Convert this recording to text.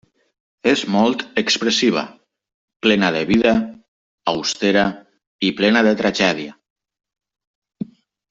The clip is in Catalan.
És molt expressiva, plena de vida, austera i plena de tragèdia.